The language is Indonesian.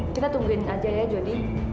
kita tungguin aja ya jadi